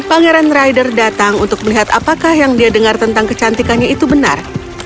pangeran rider datang untuk melihat apakah yang dia dengar tentang kecantikannya itu benar